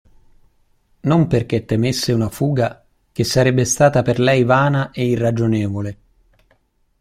Non perché temesse una fuga, che sarebbe stata per lei vana e irragionevole.